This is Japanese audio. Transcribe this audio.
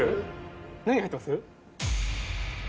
何が入ってます？